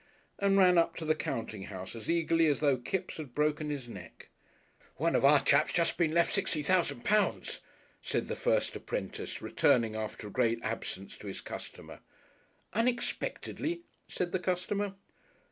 and ran up to the counting house as eagerly as though Kipps had broken his neck. "One of our chaps just been left sixty thousand pounds," said the first apprentice, returning after a great absence, to his customer. "Unexpectedly?" said the customer.